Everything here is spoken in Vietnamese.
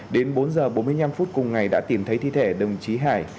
đến bốn h bốn mươi năm phút cùng ngày đã tìm thấy thi thể đồng chí hải